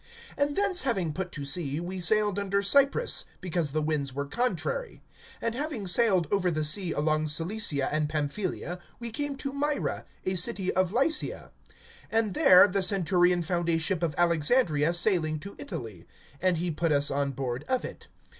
(4)And thence having put to sea, we sailed under Cyprus, because the winds were contrary, (5)And having sailed over the sea along Cilicia and Pamphylia, we came to Myra, a city of Lycia. (6)And there the centurion found a ship of Alexandria sailing to Italy; and he put us on board of it.